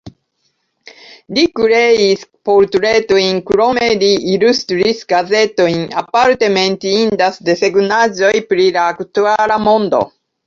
Li kreis portretojn, krome li ilustris gazetojn, aparte menciindas desegnaĵoj pri la aktuala modo.